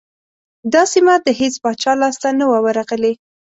دا سیمه د هیڅ پاچا لاسته نه وه ورغلې.